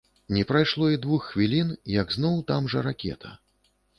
Не прайшло і двух хвілін, як зноў там жа ракета.